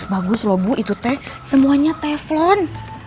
bagus loh bu itu teh semuanya teflon